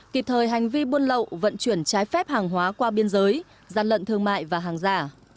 kịp thời hành vi buôn lậu vận chuyển trái phép hàng hóa qua biên giới gian lận thương mại và hàng giả